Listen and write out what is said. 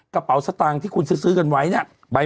กระเป๋าสตางค์ที่คุณซื้อกันไว้เนี่ย